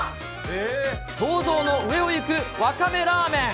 想像の上をいく、わかめラーメン。